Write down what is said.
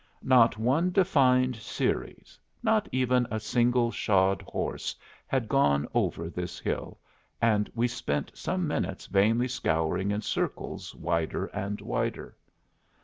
Not one defined series, not even a single shod horse, had gone over this hill, and we spent some minutes vainly scouring in circles wider and wider.